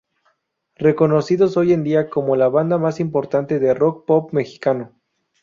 Reconocidos hoy en día como la banda más importante de rock-pop mexicano.